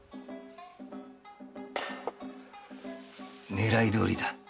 狙いどおりだ。